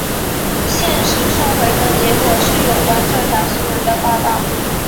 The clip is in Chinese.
现时送回的结果是有关这新闻的报道。